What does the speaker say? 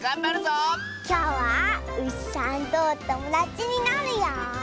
きょうはうしさんとおともだちになるよ！